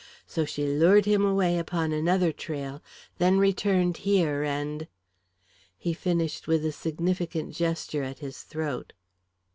So she lured him away upon another trail, then returned here and " He finished with a significant gesture at his throat.